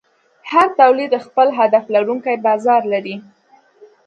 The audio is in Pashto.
هر تولید خپل هدف لرونکی بازار لري.